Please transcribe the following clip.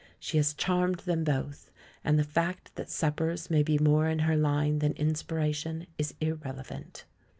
She has charmed them both; and the fact that suppers may be more in her line than inspiration is ir relevant.